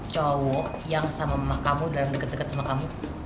cowok yang sama mama kamu dalam deket deket sama kamu